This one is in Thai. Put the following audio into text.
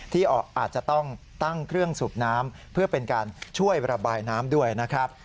ที่อาจจะต้องตั้งเครื่องสูบน้ำเพื่อเป็นการช่วยระบายน้ำด้วยนะครับ